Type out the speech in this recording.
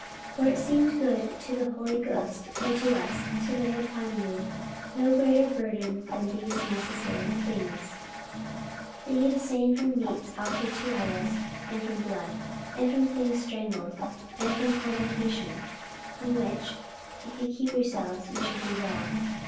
44:015:028 For it seemed good to the Holy Ghost, and to us, to lay upon you no greater burden than these necessary things; 44:015:029 That ye abstain from meats offered to idols, and from blood, and from things strangled, and from fornication: from which if ye keep yourselves, ye shall do well.